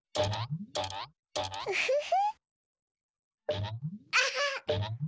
ウフフ。